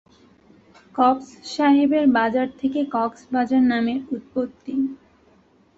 Cox সাহেবের বাজার থেকে "কক্সবাজার" নামের উৎপত্তি।